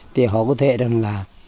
thì họ có thể là